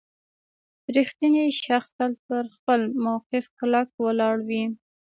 • رښتینی شخص تل پر خپل موقف کلک ولاړ وي.